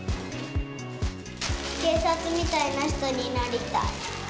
警察みたいな人になりたい。